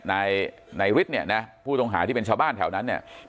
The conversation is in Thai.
นายฤทธิ์เนี่ยนะผู้ต้องหาที่เป็นชาวบ้านแถวนั้นเนี่ย